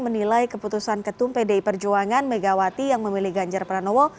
menilai keputusan ketum pdi perjuangan megawati yang memilih ganjar pranowo